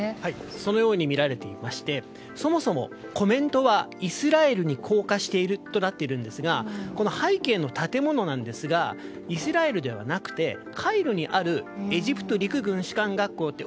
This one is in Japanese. そのようにみられていましてそもそもコメントはイスラエルに降下しているとなっているんですがこの背景の建物なんですがイスラエルではなくてカイロにあるエジプト陸軍士官学校という。